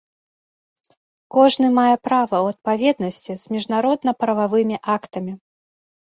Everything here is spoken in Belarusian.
Кожны мае права ў адпаведнасці з міжнародна-прававымі актамі.